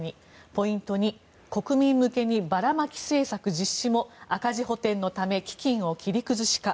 ポイント２、国民向けにばらまき政策実施も赤字補てんのため基金を切り崩しか。